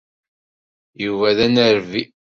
Yuba d anerbi.